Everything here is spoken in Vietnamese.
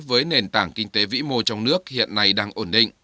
với nền tảng kinh tế vĩ mô trong nước hiện nay đang ổn định